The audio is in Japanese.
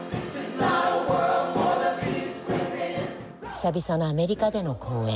久々のアメリカでの公演。